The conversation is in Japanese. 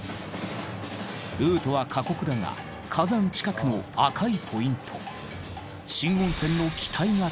ルートは過酷だが火山近くの赤いポイント。